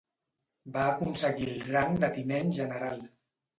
Va aconseguir el rang de tinent general.